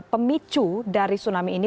pemicu dari tsunami ini